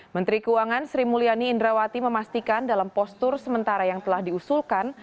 menteri keuangan sri mulyani indrawati memastikan dalam postur sementara yang telah diusulkan